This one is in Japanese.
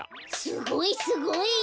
すごいすごい。